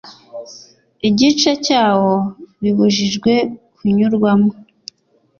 igice cyawo bibujijwe kunyurwamo